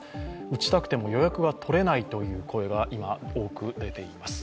打ちたくても予約が取れないという声が今、多く出ています。